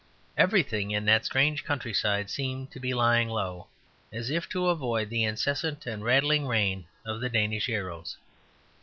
Everything in that strange countryside seemed to be lying low, as if to avoid the incessant and rattling rain of the Danish arrows.